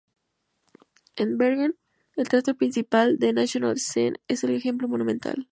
En Bergen, el teatro principal, Den Nationale Scene, es un ejemplo monumental.